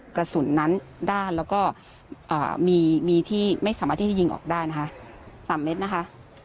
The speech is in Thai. กำลังจะเข้าสู่ขั้นตอนของการทดสอบอีกครั้งหนึ่งนะคะ